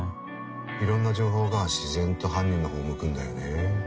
いろんな情報が自然と犯人の方を向くんだよね。